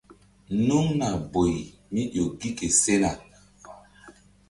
Nuŋna boy mí ƴo gi ke sena.